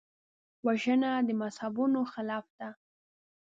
وژنه د مذهبونو خلاف ده